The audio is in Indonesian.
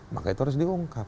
maka itu harus diungkap